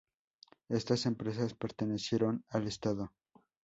Estas empresas pertenecieron al estado.